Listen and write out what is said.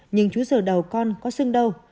nhưng chú giờ đầu con có xưng đâu